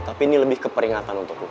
tapi ini lebih keperingatan untuk lo